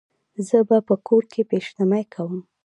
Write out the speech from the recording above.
زه به په کور کې پیشمني کوم